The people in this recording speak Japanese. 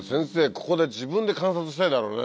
ここで自分で観察したいだろうね。